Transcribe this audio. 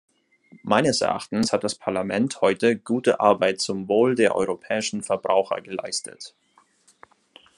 Meines Erachtens hat das Parlament heute gute Arbeit zum Wohl der europäischen Verbraucher geleistet.